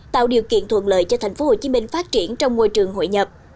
tạo điều kiện thuận lợi cho tp hcm phát triển trong môi trường hội nhập